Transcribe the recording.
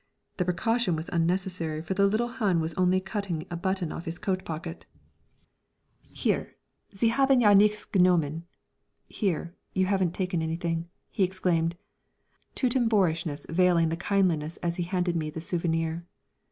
The precaution was unnecessary, for the little Hun was only cutting a button off his coat pocket. "Hier, Sie haben ja nichts genommen" ("Here, you have not taken anything"), he exclaimed, Teuton boorishness veiling the kindliness as he handed me the "souvenir."